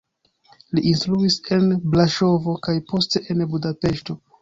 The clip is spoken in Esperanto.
Li instruis en Braŝovo kaj poste en Budapeŝto.